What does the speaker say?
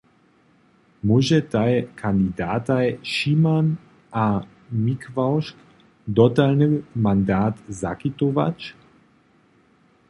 Móžetaj kandidataj Šiman a Mikławšk dotalny mandat zakitować?